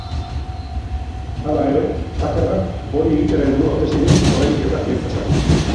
Hala ere, hackerrak hori egitera heldu ote ziren oraindik ez daki enpresak.